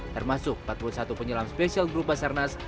termasuk empat puluh satu penyelam spesial grup basarnas